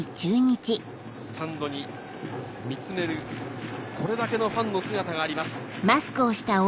スタンドに見つめるこれだけのファンの姿があります。